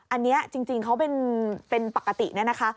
อันนี้จริงเขาเป็นปกติเนี่ยนะคะ